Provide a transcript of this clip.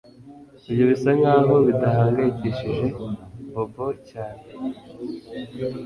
Ibyo bisa nkaho bidahangayikishije Bobo cyane